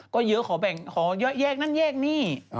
ก็เยอะขอแยกนั่นแยกนี่